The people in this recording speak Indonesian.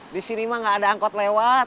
disini mah enggak ada angkot lewat